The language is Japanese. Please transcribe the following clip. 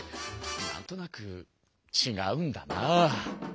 なんとなくちがうんだな！